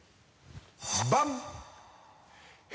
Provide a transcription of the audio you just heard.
バン！